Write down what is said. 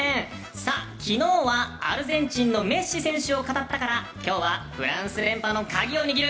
さあ、昨日はアルゼンチンのメッシ選手を語ったから今日はフランス連覇の鍵を握る